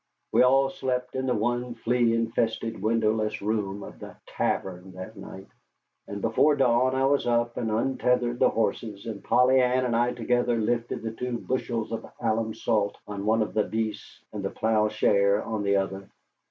We all slept in the one flea infested, windowless room of the "tavern" that night; and before dawn I was up and untethered the horses, and Polly Ann and I together lifted the two bushels of alum salt on one of the beasts and the ploughshare on the other.